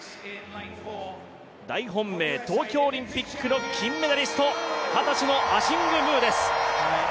大本命、東京オリンピックの金メダリスト、二十歳のアシング・ムーです。